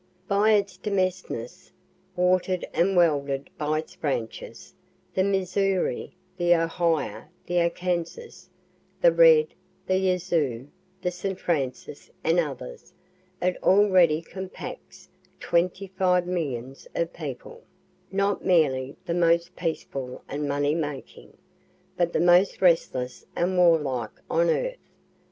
By its demesnes, water'd and welded by its branches, the Missouri, the Ohio, the Arkansas, the Red, the Yazoo, the St. Francis and others, it already compacts twenty five millions of people, not merely the most peaceful and money making, but the most restless and warlike on earth.